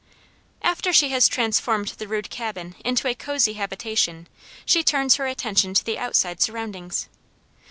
After she has transformed the rude cabin into a cozy habitation, she turns her attention to the outside surroundings.